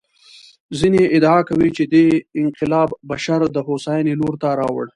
ځینې ادعا کوي چې دې انقلاب بشر د هوساینې لور ته راوړ.